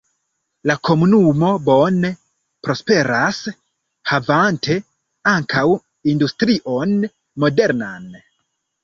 La komunumo bone prosperas havanta ankaŭ industrion modernan.